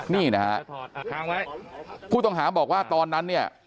นี่นะฮะผู้ต้องหาบอกว่าตอนนั้นเนี่ย